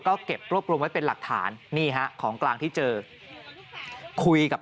ก็เก็บรวบรวมไว้เป็นหลักฐานนี่ฮะของกลางที่เจอคุยกับ